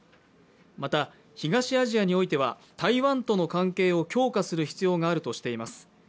また東アジアにおいては台湾との関係を強化する必要があるとしています